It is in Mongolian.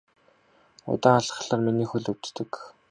Удаан алхахлаар миний хөл өвддөг.